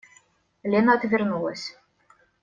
Лена отвернулась.